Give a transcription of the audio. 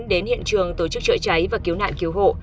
đến hiện trường tổ chức chữa cháy và cứu nạn cứu hộ